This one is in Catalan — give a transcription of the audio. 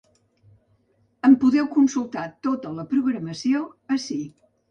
En podeu consultar tota la programació ací.